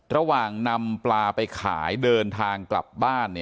ระหว่างนำปลาไปขายเดินทางกลับบ้าน